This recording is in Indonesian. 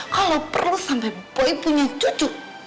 kalo perlu sampai boy punya cucu